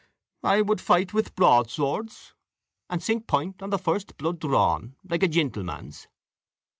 "I would fight with proadswords, and sink point on the first plood drawn, like a gentlemans."